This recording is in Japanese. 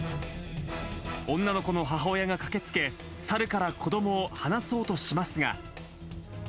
女の子の母親が駆けつけ、サルから子どもを離そうとしますが。